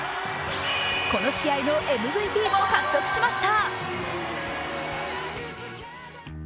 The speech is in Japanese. この試合のＭＶＰも獲得しました。